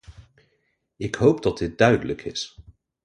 Ik hoop dat dit duidelijk is.